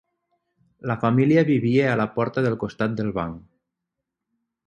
La família vivia a la porta del costat del banc.